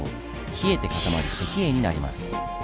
冷えて固まり石英になります。